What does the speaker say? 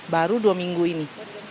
baru dua minggu ini